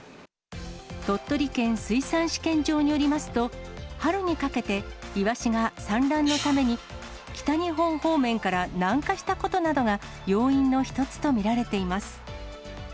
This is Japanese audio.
鳥取県水産試験場によりますと、春にかけてイワシが産卵のために、北日本方面から南下したことなどが、要因の一つと見られています。